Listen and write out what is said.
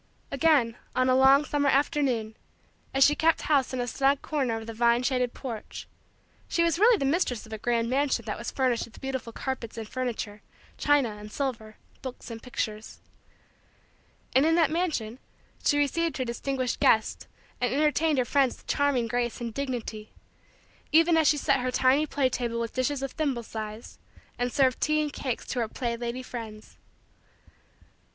Again, on a long summer afternoon, as she kept house in a snug corner of the vine shaded porch, she was really the mistress of a grand mansion that was furnished with beautiful carpets and furniture, china and silver, books and pictures. And in that mansion she received her distinguished guests and entertained her friends with charming grace and dignity, even as she set her tiny play table with dishes of thimble size and served tea and cakes to her play lady friends.